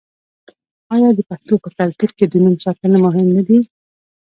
آیا د پښتنو په کلتور کې د نوم ساتل مهم نه دي؟